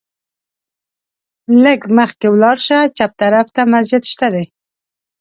لږ مخکې ولاړ شه، چپ طرف ته مسجد شته دی.